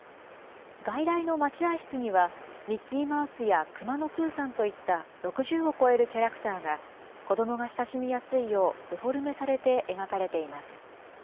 外来の待合室には、ミッキーマウスやくまのプーさんといった６０を超えるキャラクターが、子どもが親しみやすいよう、デフォルメされて描かれています。